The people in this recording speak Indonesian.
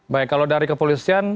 baik kalau dari kepolisian